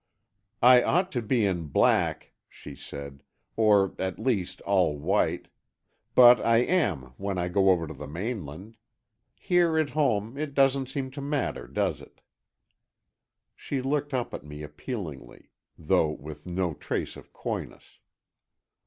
"I ought to be in black," she said, "or, at least, all white. But I am, when I go over to the mainland. Here at home, it doesn't seem to matter. Does it?" She looked up at me appealingly, though with no trace of coyness.